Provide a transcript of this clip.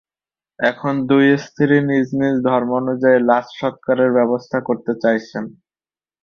এখন দুই স্ত্রী নিজ নিজ ধর্ম অনুযায়ী, লাশ সৎকারের ব্যবস্থা করতে চাইছেন।